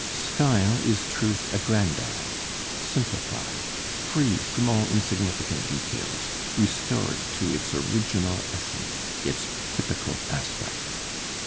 Style is truth aggrandized, simplified, freed from all insignificant details, restored to its original essence, its typical aspect.